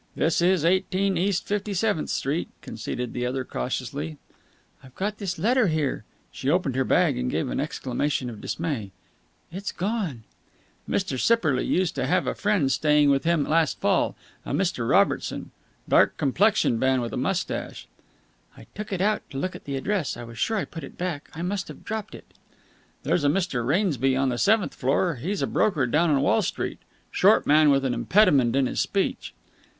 "This is Eighteen East Fifty seventh Street," conceded the other cautiously. "I've got his letter here." She opened her bag, and gave an exclamation of dismay. "It's gone!" "Mr. Sipperley used to have a friend staying with him last Fall. A Mr. Robertson. Dark complexioned man with a moustache." "I took it out to look at the address, and I was sure I put it back. I must have dropped it." "There's a Mr. Rainsby on the seventh floor. He's a broker down on Wall Street. Short man with an impediment in his speech."